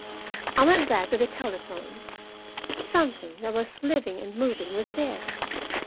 I went back to the telephone. Something that was living and moving was there.